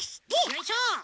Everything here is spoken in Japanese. よいしょ。